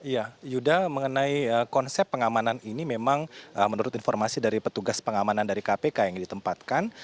ya yuda mengenai konsep pengamanan ini memang menurut informasi dari petugas pengamanan dari kpk yang ditempatkan